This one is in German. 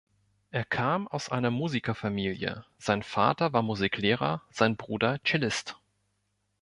Er kam aus einer Musikerfamilie, sein Vater war Musiklehrer, sein Bruder Cellist.